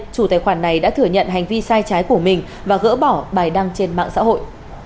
chủ tài khoản này đã thừa nhận hành vi sai trái của mình và gỡ bỏ bài đăng trên mạng xã hội